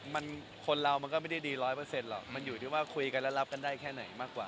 มันคนเรามันก็ไม่ได้ดีร้อยเปอร์เซ็นหรอกมันอยู่ที่ว่าคุยกันแล้วรับกันได้แค่ไหนมากกว่า